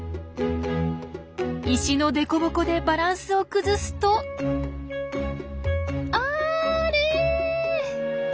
石のデコボコでバランスを崩すとあれ。